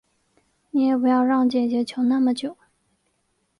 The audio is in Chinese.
你也不要让姐姐求那么久